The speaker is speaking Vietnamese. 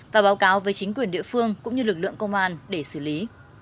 và báo cáo với chính quyền địa phương cũng như lực lượng công an để xử lý